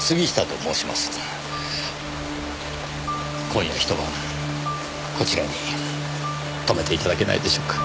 今夜ひと晩こちらに泊めていただけないでしょうか？